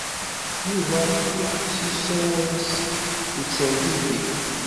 Yuba iḥuss i usawal-is yettergigi.